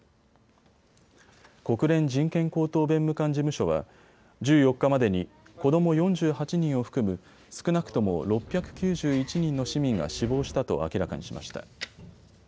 国連人権高等弁務官事務所は１４日までに子ども４８人を含む少なくとも６９１人の市民が死亡したと明らかにしました。